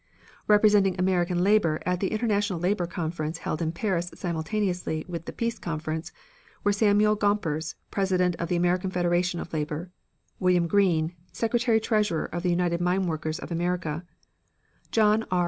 Representing American Labor at the International Labor conference held in Paris simultaneously with the Peace Conference were Samuel Gompers, president of the American Federation of Labor; William Green, secretary treasurer of the United Mine Workers of America; John R.